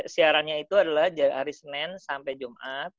siarannya itu adalah hari senin sampai jumat